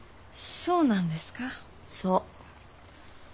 そう。